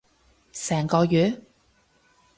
成個月？